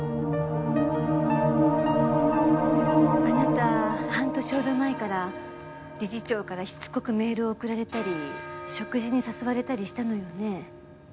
あなた半年ほど前から理事長からしつこくメールを送られたり食事に誘われたりしたのよね？